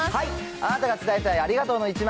あなたが伝えたいありがとうの１枚。